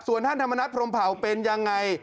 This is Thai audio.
ส่วนท่านธรรมนัฐพรมเผาเป็นยังไง